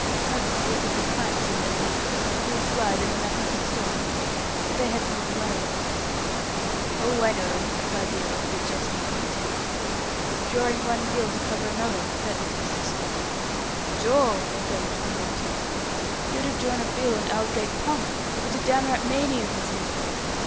Not to speak of the kites he let loose; he would fly them, and nothing could stop him; and they had to be provided for." "Oh, I know," replied the earl, with a gesture of contempt. "Drawing one bill to cover another; that was his system." "Draw!" echoed Mr. Warburton. "He would have drawn a bill on Aldgate pump. It was a downright mania with him."